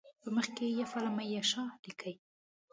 په مخ کې یفل من یشاء لیکي.